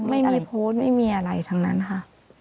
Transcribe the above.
ไม่ได้โพสต์ไม่มีอะไรทั้งนั้นค่ะ